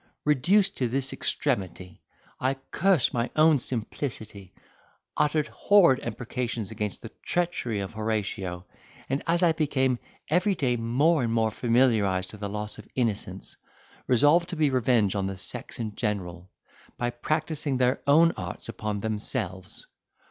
Reduced to this extremity, I cursed my own simplicity, uttered horrid imprecations against the treachery of Horatio; and, as I became every day more and more familiarised to the loss of innocence, resolved to be revenged on the sex in general, by practising their own arts upon themselves.